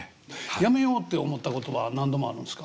やめようって思ったことは何度もあるんですか？